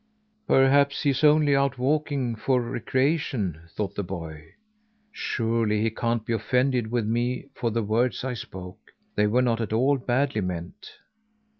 "Perhaps he is only out walking for recreation," thought the boy. "Surely he can't be offended with me for the words I spoke. They were not at all badly meant."